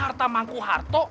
harta mangku harto